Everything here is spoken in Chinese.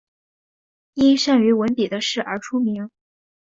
因善于文笔的事而出名。